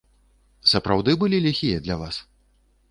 Сапраўды былі ліхія для вас?